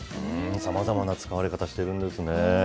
さまざまな使われ方してるんですね。